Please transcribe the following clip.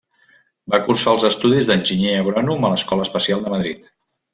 Va cursar els estudis d'enginyer agrònom a l'Escola Especial de Madrid.